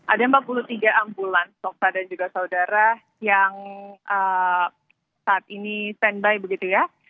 ada empat puluh tiga ambulans soksa dan juga saudara yang saat ini standby begitu ya